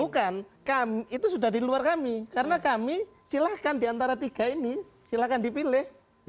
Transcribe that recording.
bukan kami itu sudah di luar kami karena kami silahkan diantara tiga ini silahkan dipilih